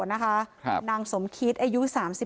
นางสมคิดอายุ๓๒